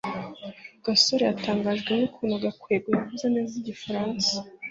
gasore yatangajwe n'ukuntu gakwego yavuze neza igifaransa